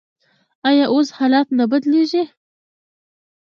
آیا اوس حالات نه بدلیږي؟